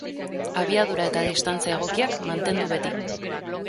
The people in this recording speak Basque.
Abiadura eta distantzia egokiak mantendu beti.